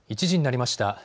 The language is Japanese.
１時になりました。